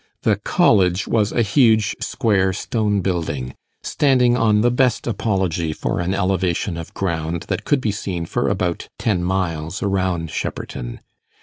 The College was a huge square stone building, standing on the best apology for an elevation of ground that could be seen for about ten miles around Shepperton.